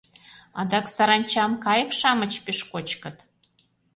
Адак саранчам кайык-шамыч пеш кочкыт.